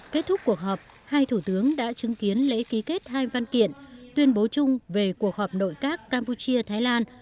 kết thúc cuộc họp hai thủ tướng đã chứng kiến lễ ký kết hai văn kiện tuyên bố chung về cuộc họp nội các campuchia thái lan